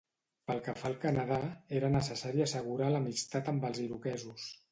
Pel que fa al Canadà, era necessari assegurar l'amistat amb els iroquesos.